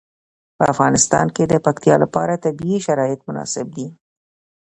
په افغانستان کې د پکتیکا لپاره طبیعي شرایط مناسب دي.